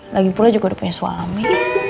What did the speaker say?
lagipula juga udah punya suami